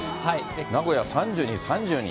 名古屋３２、３２。